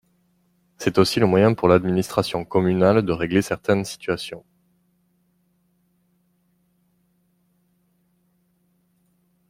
C’est aussi le moyen pour l’administration communale de régler certaines situations.